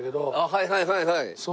はいはいはいはい。